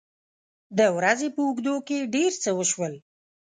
د ورځې په اوږدو کې ډېر څه وشول.